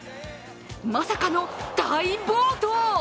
まさかの大暴投。